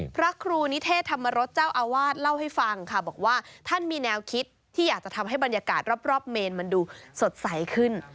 พระครูนิเทศธรรมรสเจ้าอาวาสเล่าให้ฟังค่ะบอกว่าท่านมีแนวคิดที่อยากจะทำให้บรรยากาศรอบเมนมันดูสดใสขึ้น